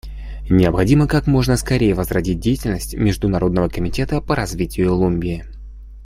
Необходимо как можно скорее возродить деятельность Международного комитета по развитию Лумбини.